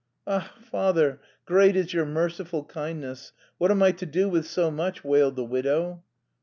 "Ach, father; great is your merciful kindness. What am I to do with so much?" wailed the widow.